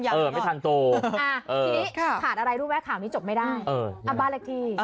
ทีนี้ถามอะไรดูแม้ข่าวนี้จบไม่ได้